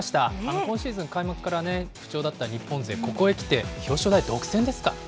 今シーズン、開幕からね、不調だった日本勢、ここへきて表彰台独占ですか。